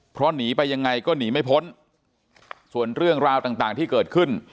เพราะหนีไปยังไงก็หนีไม่พ้นส่วนเรื่องราวต่างที่เกิดขึ้น